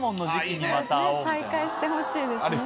再会してほしいですね。